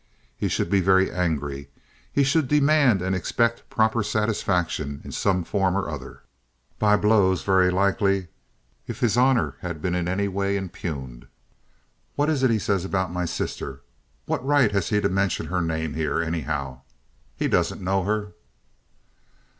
He should be very angry. He should demand and exact proper satisfaction in some form or other—by blows very likely if his honor had been in any way impugned. "What is it he says about my sister? What right has he to mention her name here, anyhow? He doesn't know her."